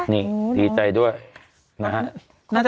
นี่ดีใจด้วยนะฮะ